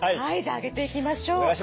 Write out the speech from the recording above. はいじゃあ開けていきましょう。